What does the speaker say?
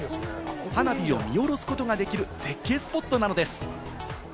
花火を見下ろすことができる絶景スポットなのです。